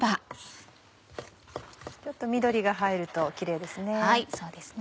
ちょっと緑が入るとキレイですね。